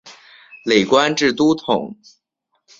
累官至都统。